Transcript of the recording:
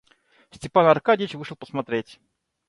Степан Аркадьич вышел посмотреть.